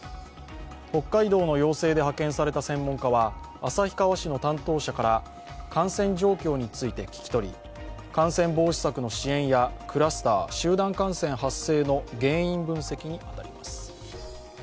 北海道の要請で派遣された専門家は旭川市の担当者から感染状況について聞き取り感染防止策の支援やクラスター＝集団感染発生の原因分析に当たります。